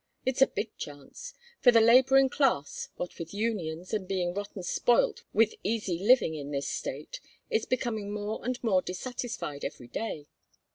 It's a big chance; for the laboring class, what with unions, and being rotten spoilt with easy living in this State, is becoming more and more dissatisfied every day.